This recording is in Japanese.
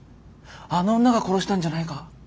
あの女が殺したんじゃないか。